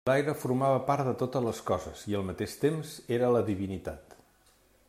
L'aire formava part de totes les coses, i al mateix temps era la divinitat.